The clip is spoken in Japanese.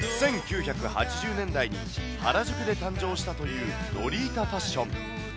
１９８０年代に原宿で誕生したというロリータファッション。